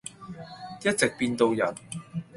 一直變到人。